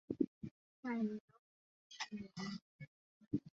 hakika afya ni mtaji wa kila kitu katika familia jamii na taifa kwa ujumla